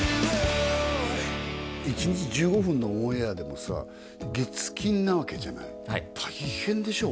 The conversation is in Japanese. １日１５分のオンエアでもさ月金なわけじゃない大変でしょ？